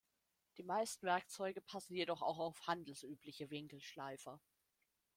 Die meisten Werkzeuge passen jedoch auch auf handelsübliche Winkelschleifer.